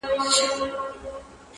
که مي نصیب وطن ته وسو،